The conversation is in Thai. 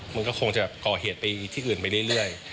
มันก็คงจะก่อเหตุไปที่อื่นไปเรื่อย